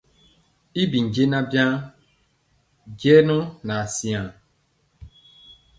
Y bi jɛɛnaŋ waŋ jɛŋɔ asiaŋ.